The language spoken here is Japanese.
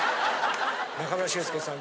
中村俊介さん